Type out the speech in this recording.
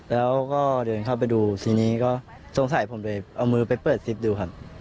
ตอนเดินเข้าไปดูซึ่งสงสัยผมเอามือไปเปิดซิฟดูครับ